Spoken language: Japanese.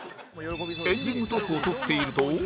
エンディングトークを撮っていると